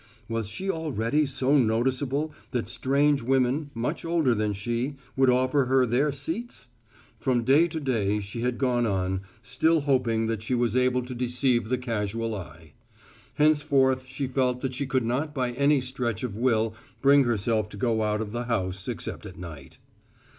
Was she already so noticeable that strange women, much older than she, would offer her their seats! From day to day she had gone on, still hoping that she was able to deceive the casual eye. Henceforth she felt that she could not by any stretch of will bring herself to go out of the house except at night.